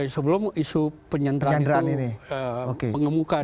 sebelum isu penyanderaan itu mengemuka